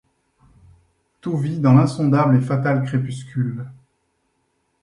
Tout vit dans l’insondable et fatal crépuscule.